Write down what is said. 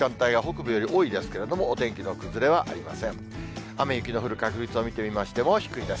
雨や雪の降る確率を見てみましても低いです。